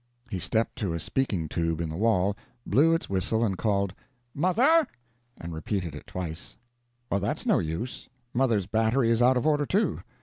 He stepped to a speaking tube in the wall, blew its whistle, and called, "Mother!" and repeated it twice. "Well, that's no use. Mother's battery is out of order, too.